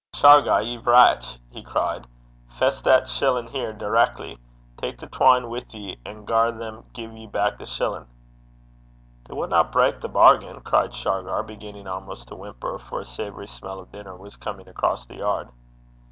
'Shargar, ye vratch!' he cried, 'fess that shillin' here direckly. Tak the twine wi' ye, and gar them gie ye back the shillin'.' 'They winna brak the bargain,' cried Shargar, beginning almost to whimper, for a savoury smell of dinner was coming across the yard.